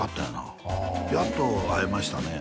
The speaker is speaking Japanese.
あやっと会えましたね